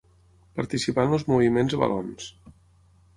Participà en els moviments valons.